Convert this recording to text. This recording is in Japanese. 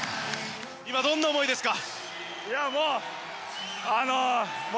今、どんな思いですか？